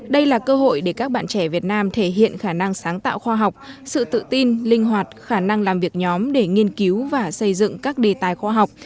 đây là cơ hội để các bạn trẻ việt nam thể hiện khả năng sáng tạo khoa học sự tự tin linh hoạt khả năng làm việc nhóm để nghiên cứu và xây dựng các đề tài khoa học